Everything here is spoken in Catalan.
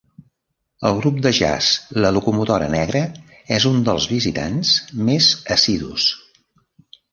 El grup de jazz La Locomotora Negra és un dels visitants més assidus.